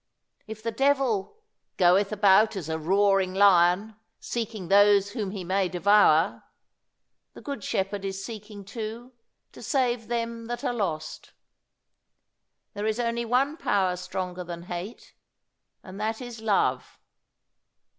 If the devil "goeth about as a roaring lion, seeking those whom he may devour," the Good Shepherd is seeking, too, to save them that are lost. There is only one power stronger than hate, and that is love.